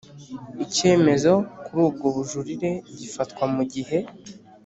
Icyemezo kuri ubwo bujurire gifatwa mu gihe